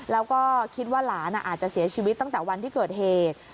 แล้วก็คิดว่าหลานอาจจะเสียชีวิตตั้งแต่วันที่เกิดเหตุ